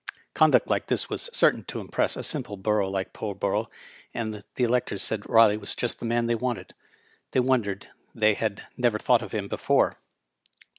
Oonduct like this was certain to impress a simple borough like Pullborough, and the electors said Riley was just the man they wanted ; they wondered they had never thought of him before.